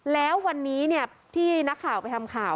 แล้ววันนี้ที่นักข่าวไปทำข่าว